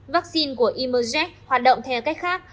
vaccine của immersed hoạt động theo cách khác